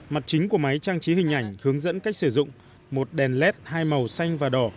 mặt chính của máy trang trí hình ảnh hướng dẫn cách sử dụng một đèn led hai màu xanh và đỏ